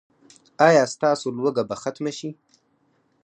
ایا ستاسو لوږه به ختمه شي؟